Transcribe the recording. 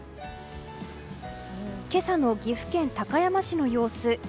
今朝の岐阜県高山市の様子。